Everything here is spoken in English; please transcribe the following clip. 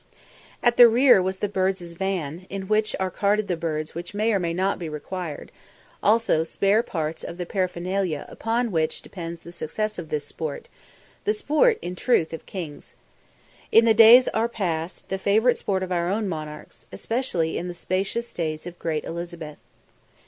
At the rear was the birds' van, in which are carted the birds which may or may not be required, also spare parts of the paraphernalia upon which depends the success of this sport, the sport, in truth, of kings! In the "days that are past" the favourite sport of our own monarchs, especially in the "spacious days of great Elizabeth."